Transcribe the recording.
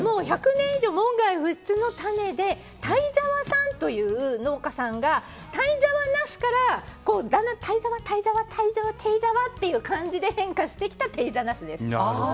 １００年以上門外不出の種で田井沢さんという農家さんが田井沢なすからだんだん、たいざわ、たいざわていざわっていう感じで変化してきた、ていざなすです。